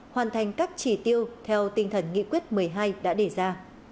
hoàn thành các chỉ tiêu theo tinh thần nghị quyết một mươi hai đã đề ra